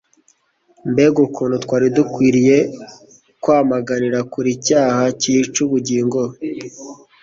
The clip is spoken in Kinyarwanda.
mbega ukuntu twari dukwiriye kwamaganira kure icyaha cyica ubugingo.